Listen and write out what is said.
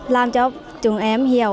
làm cho chúng em hiểu